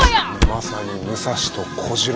まさに武蔵と小次郎。